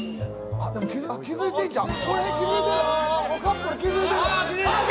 気付いてんちゃう！？